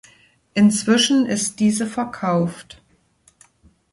Inzwischen ist diese verkauft.